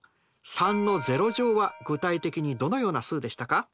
３は具体的にどのような数でしたか？